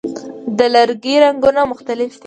د لرګي رنګونه مختلف دي.